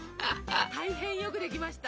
「大変よくできました！」。